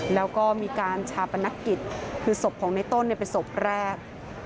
แล้วก็มีการชาปนกิจคือศพของในต้นเป็นศพแรก